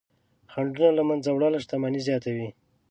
خنډونه له منځه وړل شتمني زیاتوي.